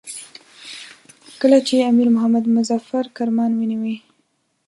کله چې امیر محمد مظفر کرمان ونیوی.